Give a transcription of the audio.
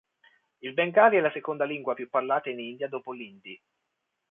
Il bengali è la seconda lingua più parlata in India dopo l'hindi.